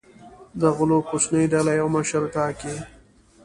د غلو کوچنۍ ډلې یو مشر وټاکي.